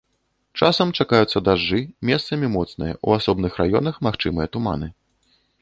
Часам чакаюцца дажджы, месцамі моцныя, у асобных раёнах магчымыя туманы.